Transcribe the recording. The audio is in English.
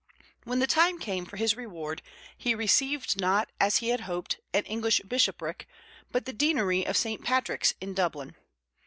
When the time came for his reward, he received not, as he had hoped, an English bishopric, but the deanery of St. Patrick's in Dublin.